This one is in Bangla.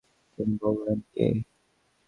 তিনি বললেন, কে?